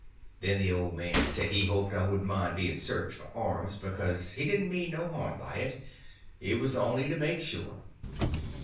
Then the old man said he hoped I wouldn't mind being searched for arms, because he didn't mean no harm by it—it was only to make sure.